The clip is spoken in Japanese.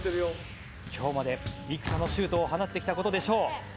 今日まで幾多のシュートを放ってきた事でしょう。